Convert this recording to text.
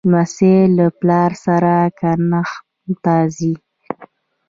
لمسی له پلار سره کښت ته ځي.